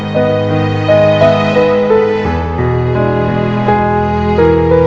mau akan mahkaman keluarga